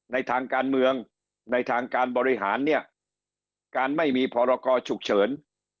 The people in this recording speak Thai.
ในทางการเมืองในทางการบริหารเนี่ยการไม่มีพรกรฉุกเฉิน